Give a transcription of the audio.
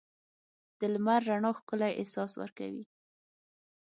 د لمر رڼا ښکلی احساس ورکوي.